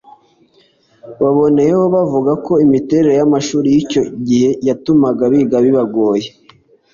baboneyeho bavuga ko imiterere y’amashuri y’icyo gihe yatumaga biga bibagoye